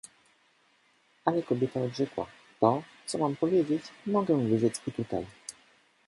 Ale kobieta odrzekła: „To, co mam powiedzieć, mogę wyrzec i tutaj”.